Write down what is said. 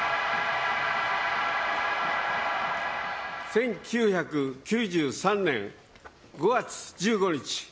１９９３年５月１５日。